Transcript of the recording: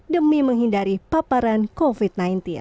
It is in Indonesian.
demi menghindari paparan covid sembilan belas